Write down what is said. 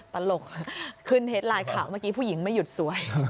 ตลกขึ้นเฮดไลน์ข่าวเมื่อกี้ผู้หญิงไม่หยุดสวย